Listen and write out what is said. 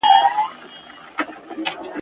ورته راغلل غوري ګان د پولاوونو ..